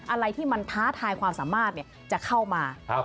อะไรที่มันท้าทายความสามารถจะเข้ามา